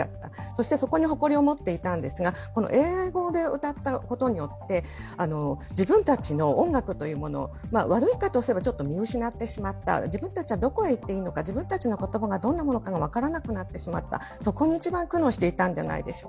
そしてそこに誇りを持っていたんですが、英語で歌ったことによって自分たちの音楽というものを悪い言い方をすればちょっと見失ってしまった、自分たちはどこへ行っていいのか、自分たちの言葉がどんなものか分からなくなってしまった、そこが一番苦悩していたんじゃないでし